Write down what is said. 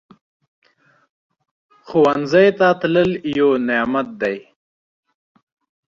ښوونځی ته تلل یو نعمت دی